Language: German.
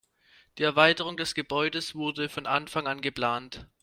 Die Erweiterung des Gebäudes wurde von Anfang an geplant.